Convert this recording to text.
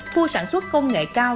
khu sản xuất công nghệ cao